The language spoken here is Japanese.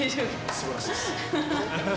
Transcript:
すばらしいっす。